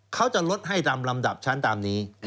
เขาจะลดให้ตามลำดับชั้นตามนี้